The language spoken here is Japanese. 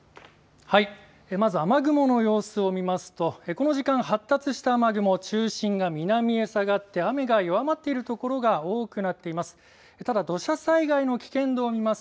まず雨雲の様子を見ますとこの時間、発達した雨雲、中心が南へ下がって雨が弱まっている所が多くなっています。